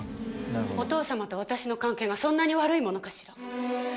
お父様と私の関係がそんなに悪いものかしら。